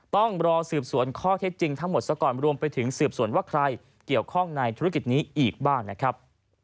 ต้องรอสืบสวนข้อเท็จจริงทั้งหมดซะก่อนรวมไปถึงสืบสวนว่าใครเกี่ยวข้องในธุรกิจนี้อีกบ้างนะครับ